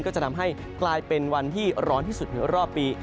ก็จะทำให้กลายเป็นวันที่ร้อนที่สุดในรอบปี